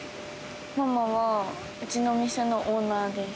ママはうちの店のオーナーです。